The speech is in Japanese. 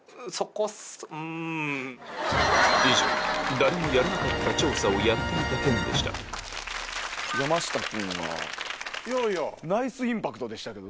「誰もやらなかった調査をやってみた件」でした山下くんが。